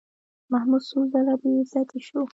محمود څو ځله بېعزتي شو.